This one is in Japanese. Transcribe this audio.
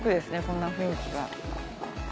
こんな雰囲気は。